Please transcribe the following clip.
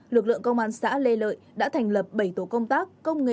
lực lượng công an xã lê lợi đã thành lập bảy tổ công tác công nghệ